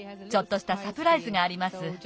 ちょっとしたサプライズがあります。